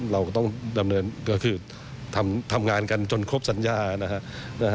เราก็ต้องทำงานกันจนครบสัญญาค่ะ